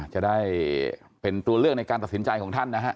จะได้เป็นตัวเลือกในการตัดสินใจของท่านนะฮะ